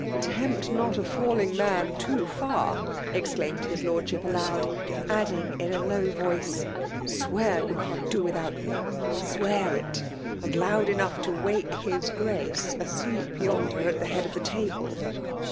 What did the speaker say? " Tempt not a falling man too far I " ex claimed his Lordship aloud; adding, in a low voie^, *' Swear you can't do without me Hsiwear it^^and loud cnpugh to wake his Grace^ asleep yonder at the head of the table."